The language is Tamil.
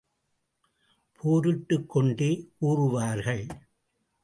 போரிட்டுக் கொண்டே கூறுவார்கள்.